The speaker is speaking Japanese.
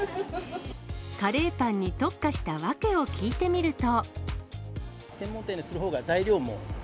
カレーパンに特化した訳を聞いてみると。